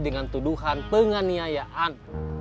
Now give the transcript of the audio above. dengan tuduhan penganiayaan